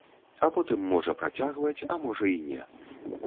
А потым, можа працягваць, а можа і не.